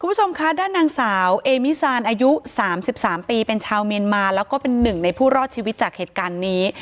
คุณผู้ชมคะด้านนางสาวเอมิซานอายุ๓๓ปีเป็นชาวเมียนมาแล้วก็เป็นหนึ่งในผู้รอดชีวิตจากเหตุการณ์นี้